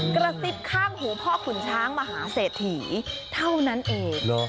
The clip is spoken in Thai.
กระซิบข้างหูพ่อขุนช้างมหาเศรษฐีเท่านั้นเอง